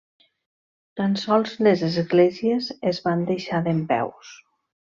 Tan sols les esglésies es van deixar dempeus.